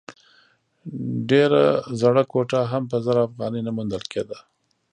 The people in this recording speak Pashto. ډېره زړه کوټه هم په زر افغانۍ نه موندل کېده.